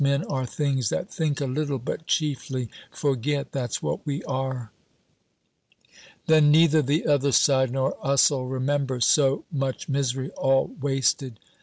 Men are things that think a little but chiefly forget. That's what we are." "Then neither the other side nor us'll remember! So much misery all wasted!"